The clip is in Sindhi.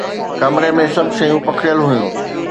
ڪمري ۾ سڀ شيون پکڙيل هيون